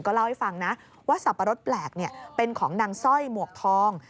เล่าให้ฟังนะว่าสับปะรดแปลกเป็นของนางสร้อยหมวกทอง